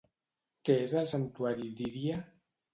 Què és el santuari d'Íria?